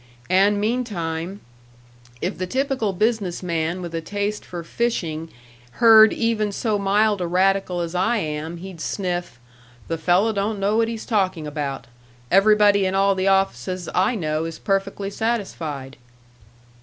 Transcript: And meantime, if the typical business man with a taste for fishing heard even so mild a radical as I am, he'd sniff, 'The fellow don't know what he's talking about; everybody in all the offices I know is perfectly satisfied.'"